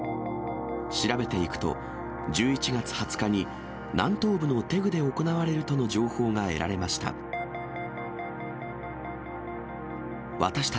調べていくと、１１月２０日に、南東部のテグで行われるとの情報が得られました。